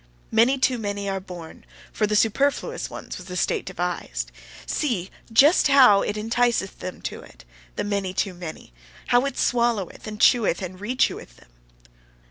Many too many are born: for the superfluous ones was the state devised! See just how it enticeth them to it, the many too many! How it swalloweth and cheweth and recheweth them!